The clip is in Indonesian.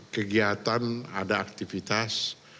kegiatan ada aktivitas